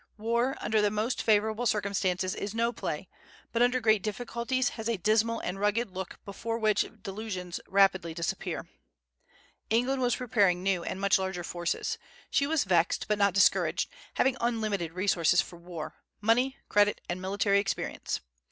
War, under the most favorable circumstances, is no play; but under great difficulties, has a dismal and rugged look before which delusions rapidly disappear. England was preparing new and much larger forces. She was vexed, but not discouraged, having unlimited resources for war, money, credit, and military experience.